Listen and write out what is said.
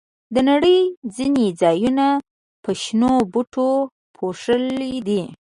د نړۍ ځینې ځایونه په شنو بوټو پوښلي دي.